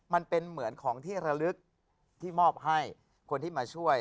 มันเป็นเหมือนของที่ระลึกที่มอบให้คนที่มาช่วย